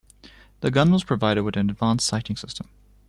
The gun was provided with an advanced sighting system.